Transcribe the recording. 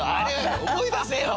思い出せよ！」